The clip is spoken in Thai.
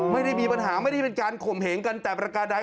ไม่ได้มีปัญหาไม่ได้เป็นการข่มเหงกันแต่ประการใด